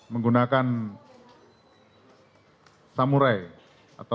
menggunakan samurai atau piata tajam